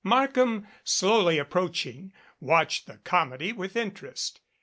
Markham, slowly approaching, watched the comedy with interest.